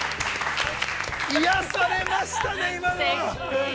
癒やされましたね、今のは。